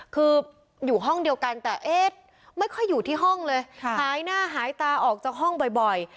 คืออยู่ห้องเดียวกันแต่เอ๊ะไม่ค่อยอยู่ที่ห้องเลยหายหน้าหายตาออกจากห้องบ่อย